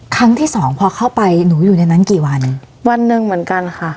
ครั้งที่สองพอเข้าไปหนูอยู่ในนั้นกี่วันวันหนึ่งเหมือนกันค่ะ